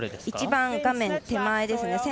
一番画面手前ですね。